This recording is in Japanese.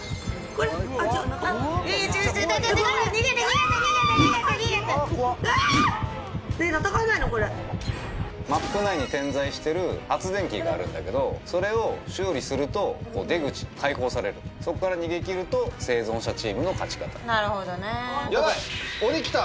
これマップ内に点在してる発電機があるんだけどそれを修理すると出口解放されるそっから逃げ切ると生存者チームの勝ち方なるほどねヤバイ鬼来た！